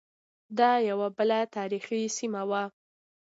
دا یوه بله تاریخی سیمه وه.